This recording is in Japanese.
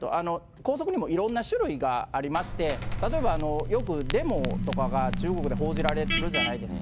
拘束にもいろんな種類がありまして、例えばよくデモとかが中国で報じられるじゃないですか。